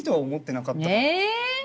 え！